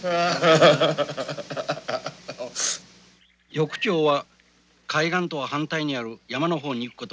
翌朝は海岸とは反対にある山の方に行くことになりました。